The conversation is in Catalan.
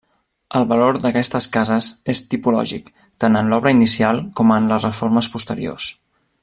El valor d'aquestes cases és tipològic, tant en l'obra inicial com en les reformes posteriors.